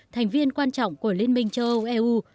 thành viên quan trọng của liên minh châu âu eu